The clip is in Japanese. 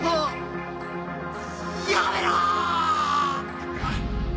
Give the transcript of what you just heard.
やめろー！